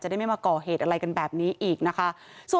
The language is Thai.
ได้ไม่มาก่อเหตุอะไรกันแบบนี้อีกนะคะ